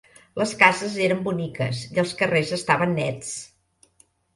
Les cases eren boniques i els carrers estaven néts.